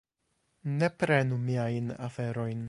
Ne prenu miajn aferojn!